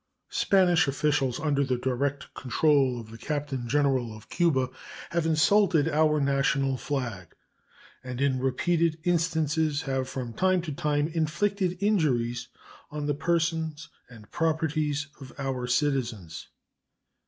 Spanish officials under the direct control of the Captain General of Cuba have insulted our national flag and in repeated instances have from time to time inflicted injuries on the persons and property of our citizens.